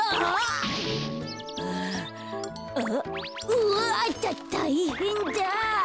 うわたいへんだ！